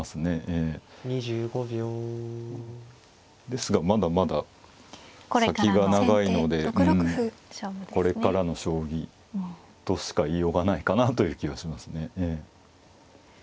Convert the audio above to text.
ですがまだまだ先が長いのでこれからの将棋としか言いようがないかなという気がしますね。